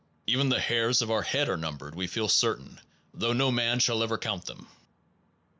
Even the hairs of our head are numbered, we feel certain, though no man shall ever count them.